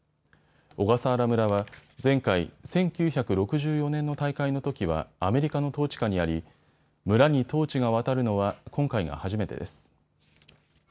小笠原村は前回、１９６４年の大会のときはアメリカの統治下にあり、村にトーチが渡るのは今回が初めてです。